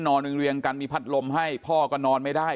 เรียงกันมีพัดลมให้พ่อก็นอนไม่ได้